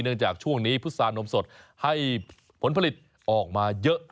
จากช่วงนี้พุษานมสดให้ผลผลิตออกมาเยอะ